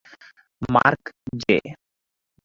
Mark J.